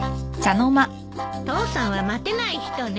父さんは待てない人ね。